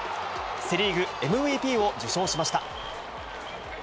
セ・リーグＭＶＰを受賞しました。